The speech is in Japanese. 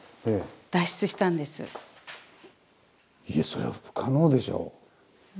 いえそれは不可能でしょ。